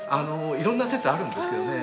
いろんな説あるんですけどね